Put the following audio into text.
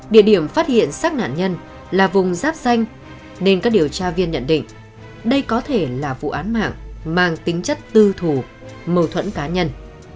địa điểm phát hiện xác nạn nhân là vùng giáp danh nên các điều tra viên nhận định đây có thể là vụ án mạng mang tính chất tư thủ mâu thuẫn cá nhân